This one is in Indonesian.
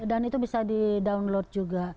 dan itu bisa di download juga